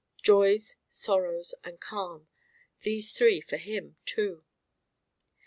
Joys sorrows and calm: these three for him, too.